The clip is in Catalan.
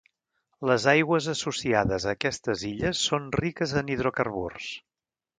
Les Aigües associades a aquestes illes són riques en hidrocarburs.